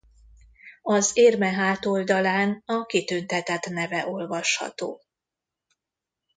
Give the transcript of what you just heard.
Az érme hátoldalán a kitüntetett neve olvasható.